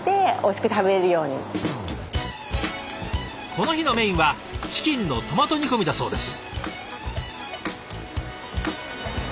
この日のメインはチキンのトマト煮込みだそうです。